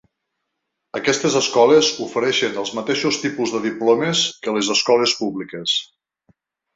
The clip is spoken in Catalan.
Aquestes escoles ofereixen els mateixos tipus de diplomes que les escoles públiques.